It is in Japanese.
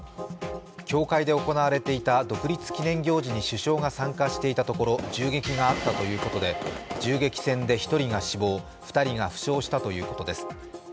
教会で行われていた独立記念行事に首相が参加していたところ銃撃があったということで、銃撃戦で１人が死亡２人が負傷したということです。